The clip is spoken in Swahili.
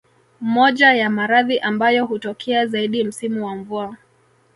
Moja ya maradhi ambayo hutokea zaidi msimu wa mvua